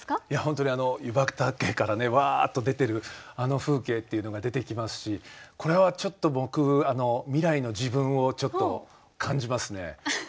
いや本当に湯畑からねわっと出てるあの風景っていうのが出てきますしこれはちょっと僕未来の自分を感じますね。